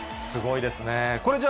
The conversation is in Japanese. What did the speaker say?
すごいですね。